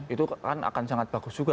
itu akan sangat bagus juga